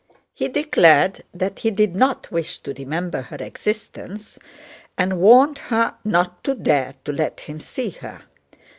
He declared that he did not wish to remember her existence and warned her not to dare to let him see her.